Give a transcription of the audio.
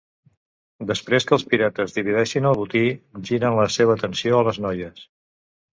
Després que els pirates divideixin el botí, giren la seva atenció a les noies.